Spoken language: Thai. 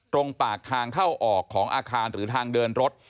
ตรงปากทางเข้าออกของอาคารหรือทางเดินรถ